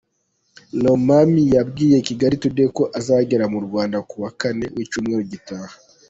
Romami yabwiye Kigali Today ko azagera mu Rwanda ku wa Kane w’icyumweru gitaha.